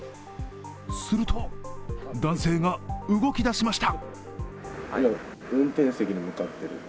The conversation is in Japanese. すると男性が動きだしました。